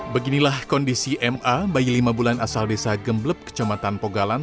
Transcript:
beginilah kondisi ma bayi lima bulan asal desa gemblep kecamatan pogalan